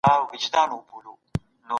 که ئې داسي ښځه پيدا نکړه.